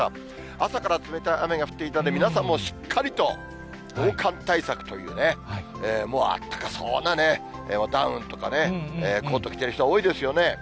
朝から冷たい雨が降っていたんで、皆さんもうしっかりと防寒対策というね、もうあったかそうなね、ダウンとかね、コート着てる人多いですよね。